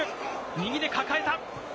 右で抱えた。